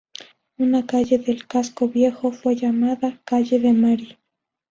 Una calle del casco viejo fue llamada "Calle de Mari".